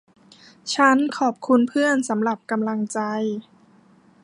ฉันขอบคุณเพื่อนสำหรับกำลังใจ